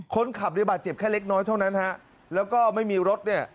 คนขับในบาดเจ็บแค่เล็กน้อยเท่านั้นฮะแล้วก็ไม่มีรถเนี่ย